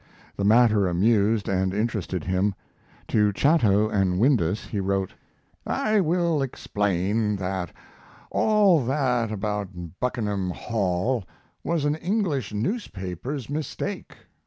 The matter amused and interested him. To Chatto & Windus he wrote: I will explain that all that about Buckenham Hall was an English newspaper's mistake.